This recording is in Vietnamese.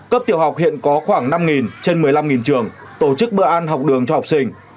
cấp tiểu học hiện có khoảng năm trên một mươi năm trường tổ chức bữa ăn học đường cho học sinh